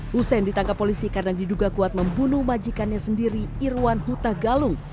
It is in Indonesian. hussein ditangkap polisi karena diduga kuat membunuh majikannya sendiri irwan huta galung